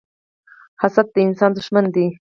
حسد د انسان دښمن دی